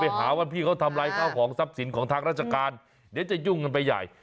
หาว่าพี่เขาทำลายข้าวของทรัพย์สินของทางราชการเดี๋ยวจะยุ่งกันไปใหญ่